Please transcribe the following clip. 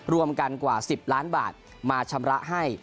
รวมกันกว่า๑๐ล้านบาทมาชำระให้